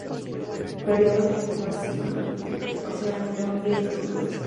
El período de incubación oscila entre un día y dos semanas.